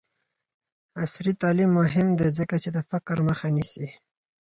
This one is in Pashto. عصري تعلیم مهم دی ځکه چې د فقر مخه نیسي.